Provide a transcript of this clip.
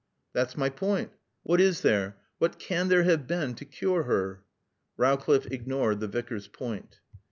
"That's my point. What is there what can there have been to cure her?" Rowcliffe ignored the Vicar's point.